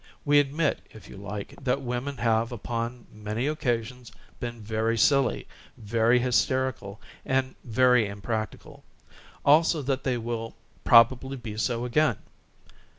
We admit, if you like, that women have upon many occasions been very silly, very hysterical and very im practical, also that they will probably be so again.